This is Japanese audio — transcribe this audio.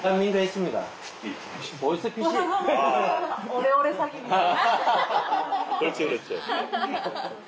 オレオレ詐欺みたい。